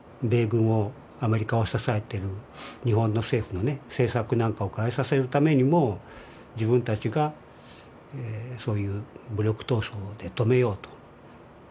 米軍をアメリカを支えてる日本の政府の政策なんかを変えさせるためにも、自分たちがそういう武力闘争で止めようと。